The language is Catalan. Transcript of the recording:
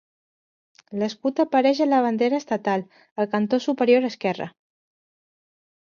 L'escut apareix a la bandera estatal, al cantó superior esquerre.